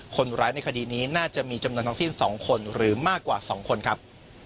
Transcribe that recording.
คนร้ายในคดีนี้น่าจะมีจำนวนทั้งสิ้น๒คนหรือมากกว่า๒คนครับ